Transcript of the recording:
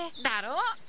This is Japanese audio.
だろ？